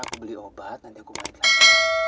aku beli obat nanti aku balik lagi